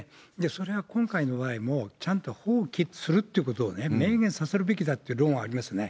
それは今回の場合も、ちゃんと放棄するってことをね、明言させるべきだって論はありますね。